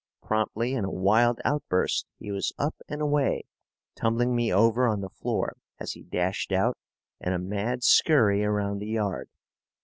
Promptly, in a wild outburst, he was up and away, tumbling me over on the floor as he dashed out in a mad skurry around the yard.